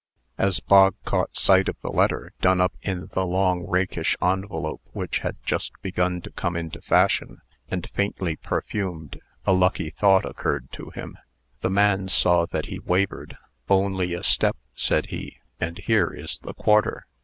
As Bog caught sight of the letter, done up in the long, rakish envelope which had just begun to come into fashion, and faintly perfumed, a lucky thought occurred to him. The man saw that he wavered. "Only a step," said he. "And here is the quarter."